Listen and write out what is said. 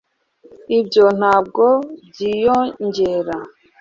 ibyo ntabwo byiyongera